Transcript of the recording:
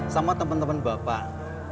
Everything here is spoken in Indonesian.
sama teman teman bapak